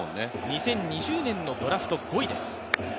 ２０２０年のドラフト５位です。